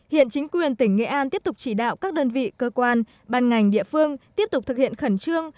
hiện chính quyền tỉnh nghệ an tiếp tục chỉ đạo các đơn vị cơ quan ban ngành địa phương tiếp tục thực hiện khẩn trương